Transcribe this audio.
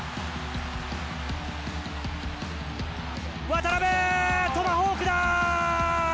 渡邊、トマホークだ。